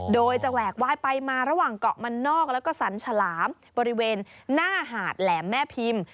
โดยจะแหวกไหว้ไปมาระหว่างเกาะมันนอกแล้วก็สันฉลามบริเวณหน้าหาดแหลมแม่พิมพ์